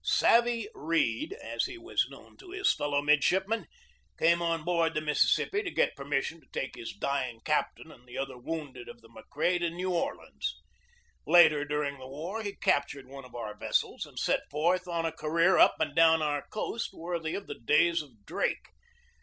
"Savey" Read, as he was known to his fellow midshipmen, came on board the Mississippi to get permission to take his dying captain and the other wounded of the McRae to New Orleans. Later dur ing the war he captured one of our vessels, and set forth on a career up and down our coast worthy of the days of Drake.